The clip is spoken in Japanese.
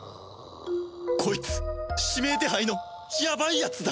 こいつ指名手配のやばいやつだ！